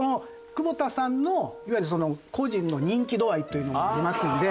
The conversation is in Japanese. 久保田さんのいわゆる個人の人気度合いというのがありますんで。